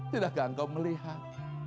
tidakkah engkau melihat